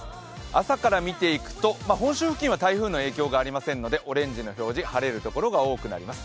朝から見ていくと、本州付近は台風の影響がありませんのでオレンジの表示、晴れるところが多くなります。